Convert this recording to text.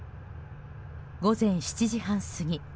午前７時半過ぎ。